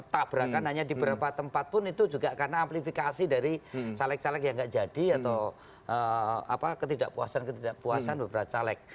tabrakan hanya di beberapa tempat pun itu juga karena amplifikasi dari caleg caleg yang nggak jadi atau ketidakpuasan ketidakpuasan beberapa caleg